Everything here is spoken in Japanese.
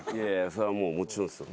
そりゃもうもちろんっすよ。